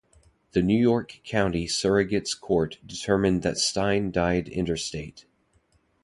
The New York County Surrogate's Court determined that Stein died intestate.